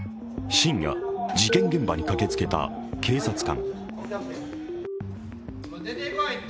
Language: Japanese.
深夜、事件現場に駆けつけた警察官。